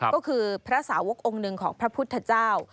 ก็คือพระสาวกองค์หนึ่งของพระพุทธเจ้า